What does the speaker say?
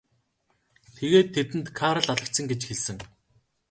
Тэгээд тэдэнд Карл алагдсан гэж хэлсэн.